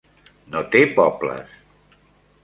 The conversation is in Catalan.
No té pobles.